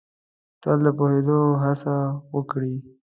تل د پوهېدو هڅه وکړ ئ